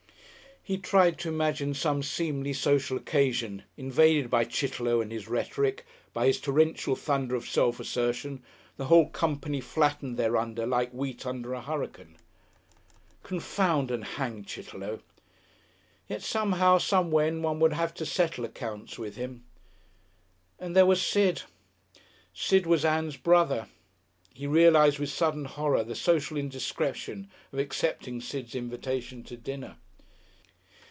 He tried to imagine some seemly social occasion invaded by Chitterlow and his rhetoric, by his torrential thunder of self assertion, the whole company flattened thereunder like wheat under a hurricane. Confound and hang Chitterlow! Yet, somehow, somewhen, one would have to settle accounts with him! And there was Sid! Sid was Ann's brother. He realised with sudden horror the social indiscretion of accepting Sid's invitation to dinner.